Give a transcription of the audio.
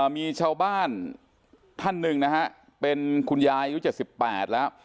มีชาวบ้านท่านหนึ่งนะฮะเป็นคุณยายอายุ๗๘แล้ว